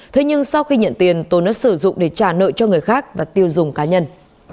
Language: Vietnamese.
thế nhưng sau khi nhận tiền tồn đã sử dụng để trả nợ cho người khác và tiêu dùng cá nhân